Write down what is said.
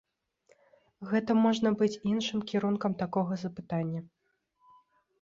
Гэта можна быць іншым кірункам такога запытання.